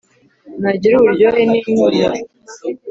,ntagira uburyohe ni mpumuro.